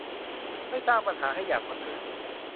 ไม่สร้างปัญหาให้อย่างคนอื่น